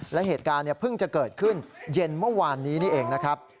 และเหตุการณ์เพิ่งจะเกิดขึ้นเย็นเมื่อวานนี้นี่เองนะครับ